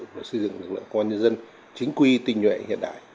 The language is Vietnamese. và xây dựng lực lượng công an nhân dân chính quy tình nhuệ hiện đại